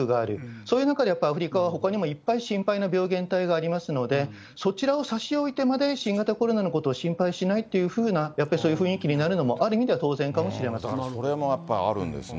そういう中でアフリカはほかにもいっぱい心配な病原体がありますので、そちらをさしおいてまで新型コロナのことを心配しないっていうふうな、やっぱりそういう雰囲気になるのもある意味では当然かもしれませそれもやっぱりあるんですね。